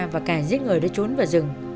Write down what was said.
và cả giết người đã trốn vào rừng